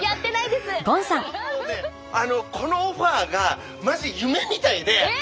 このオファーがマジ夢みたいで。え！